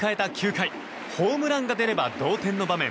９回ホームランが出れば同点の場面。